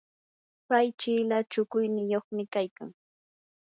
pay chila shukuyniyuqmi kaykan.